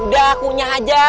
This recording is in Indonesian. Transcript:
udah punya aja